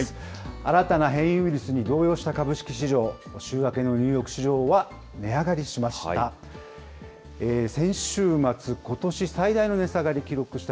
新たな変異ウイルスに動揺した株式市場、週明けのニューヨーク市場は値上がりしました。